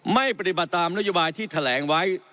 ไม่ปฏิบัติตามนโยบายที่แถลงไว้